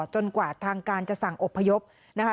กว่าทางการจะสั่งอบพยพนะคะ